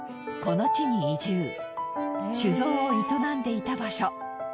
酒造を営んでいた場所。